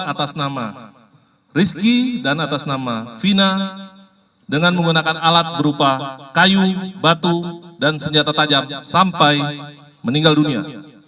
atas nama rizky dan atas nama fina dengan menggunakan alat berupa kayu batu dan senjata tajam sampai meninggal dunia